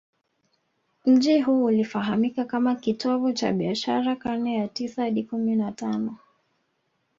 Mji huu ulifahamika kama kitovu cha biashara karne ya tisa hadi kumi na tano